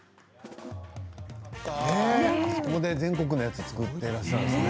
ここで全国のやつ作っていらっしゃるんですね。